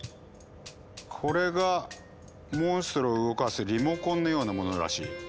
これがモンストロを動かすリモコンのようなものらしい。